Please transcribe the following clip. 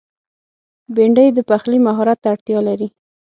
بېنډۍ د پخلي مهارت ته اړتیا لري